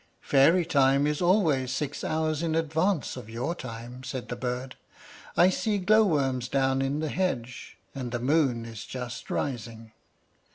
"Fairy time is always six hours in advance of your time," said the bird. "I see glowworms down in the hedge, and the moon is just rising."